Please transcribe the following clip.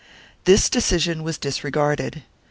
2 This decision was disregarded.